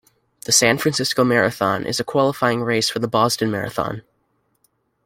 The San Francisco Marathon is a qualifying race for the Boston Marathon.